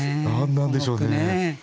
何なんでしょうね。